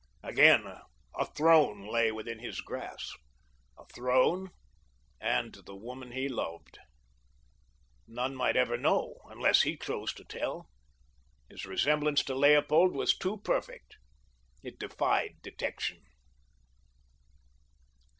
Again a throne lay within his grasp—a throne and the woman he loved. None might ever know unless he chose to tell—his resemblance to Leopold was too perfect. It defied detection.